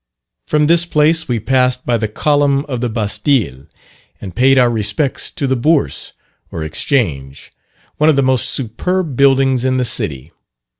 From this place we passed by the column of the Bastile, and paid our respects to the Bourse, or Exchange, one of the most superb buildings in the city.